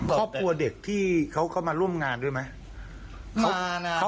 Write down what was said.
ครอบครัวเด็กที่เขาเข้ามาร่วมงานด้วยไหม